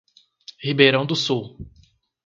Ribeirão do Sul